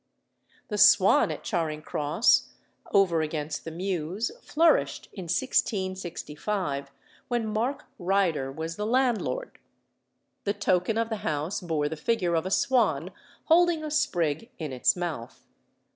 The Swan at Charing Cross, over against the Mews, flourished in 1665, when Marke Rider was the landlord. The token of the house bore the figure of a swan holding a sprig in its mouth.